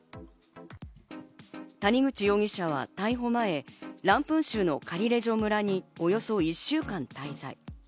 谷口容疑者は逮捕前、ランプン州のカリレジョ村におよそ１週間滞在。